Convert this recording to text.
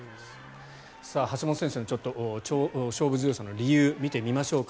橋本選手の勝負強さの理由を見てみましょうか。